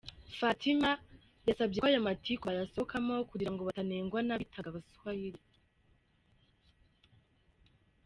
Fatuma yasabye ko ayo matiku bayasohokamo kugira ngo batannyegwa n’abitaga “Abaswahili’.